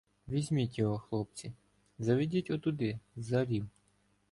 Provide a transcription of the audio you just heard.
— Візьміть його, хлопці! Заведіть отуди, за рів!